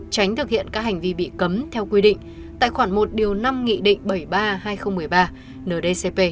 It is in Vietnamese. tránh thực hiện các hành vi bị cấm theo quy định tài khoản một điều năm nghị định bảy mươi ba hai nghìn một mươi ba